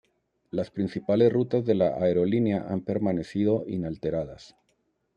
Las principales rutas de la aerolínea han permanecido inalteradas.